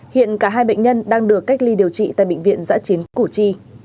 hiện cả hai bệnh nhân đang được cách ly điều trị tại bệnh viện giã chiến củ chi